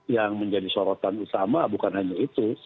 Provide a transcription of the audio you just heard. yang menjadi sorotan utama bukan hanya itu